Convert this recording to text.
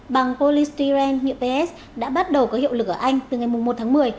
bằng polystyrene nhựa ps đã bắt đầu có hiệu lực ở anh từ ngày một tháng một mươi